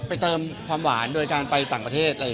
เติมความหวานโดยการไปต่างประเทศ